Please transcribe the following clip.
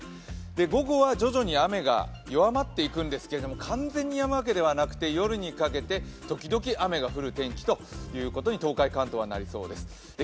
午後は徐々に雨が弱まっていくんですけれども完全にやむわけではなくて夜にかけて時々雨が降る天気に、東海、関東はなりそうです。